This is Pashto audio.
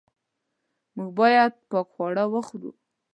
موږ باید پاک خواړه وخورو.